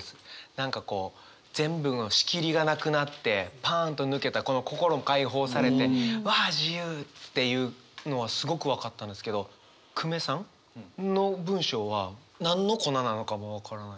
何かこう全部の仕切りがなくなってパンと抜けたこの心も開放されて「わあ自由！」っていうのはすごく分かったんですけど久米さん？の文章は何の粉なのかも分からない。